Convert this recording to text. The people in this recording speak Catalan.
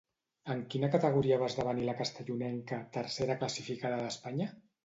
En quina categoria va esdevenir la castellonenca tercera classificada d'Espanya?